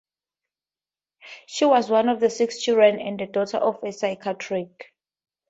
She was one of six children and the daughter of a psychiatrist.